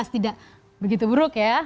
tidak begitu buruk ya